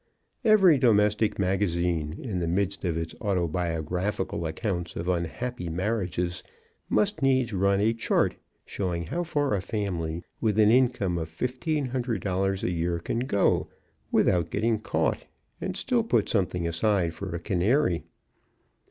Every domestic magazine, in the midst of its autobiographical accounts of unhappy marriages, must needs run a chart showing how far a family with an income of $1,500 a year can go without getting caught and still put something aside for a canary.